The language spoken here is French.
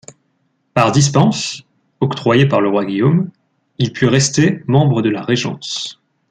Par dispense, octroyée par le roi Guillaume, il put rester membre de la régence.